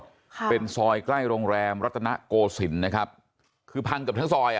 ค่ะเป็นซอยใกล้โรงแรมรัตนโกศิลป์นะครับคือพังเกือบทั้งซอยอ่ะ